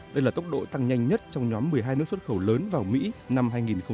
đây là tốc độ tăng nhanh nhất trong nhóm một mươi hai nước xuất khẩu lớn vào mỹ năm hai nghìn một mươi tám